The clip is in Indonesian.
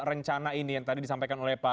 rencana ini yang tadi disampaikan